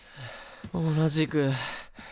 同じく。